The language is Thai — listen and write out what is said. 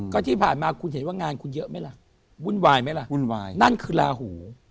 ก็ที่ผ่านมาคุณเห็นว่างานคุณเยอะไหมล่ะวุ่นวายไหมล่ะวุ่นวายนั่นคือลาหู